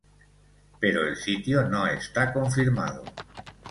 Pero el sitio no está confirmado.